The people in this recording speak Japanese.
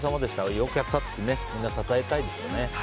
よくやったってみんな称えたいですね。